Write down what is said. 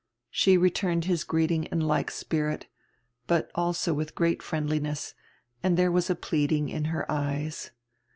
She returned his greeting in like spirit, but also with great friendliness, and there was pleading in her eyes.